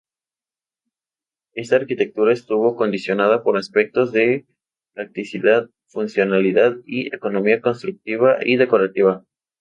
Esta arquitectura estuvo condicionada por aspectos de practicidad, funcionalidad y economía constructiva y decorativa.